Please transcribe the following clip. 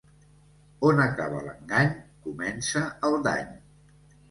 On acaba l'engany comença el dany.